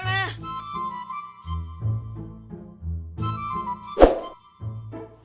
nanti aku jalan